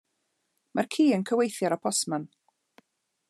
Mae'r ci yn cweithi ar y postman.